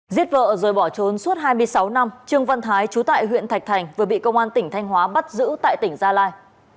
giết vợ rồi bỏ trốn suốt hai mươi sáu năm trương văn thái trú tại huyện thạch thành vừa bị công an tỉnh thanh hóa bắt giữ tại tỉnh gia lai